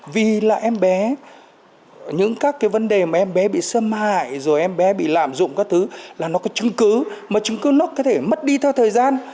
vì là em bé những các cái vấn đề mà em bé bị xâm hại rồi em bé bị lạm dụng các thứ là nó có chứng cứ mà chứng cứ nó có thể mất đi theo thời gian